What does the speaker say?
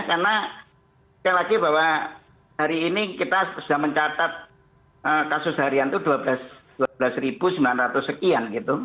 karena sekali lagi bahwa hari ini kita sudah mencatat kasus harian itu dua belas sembilan ratus sekian gitu